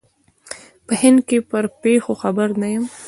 په هند کې پر پېښو خبر نه یم.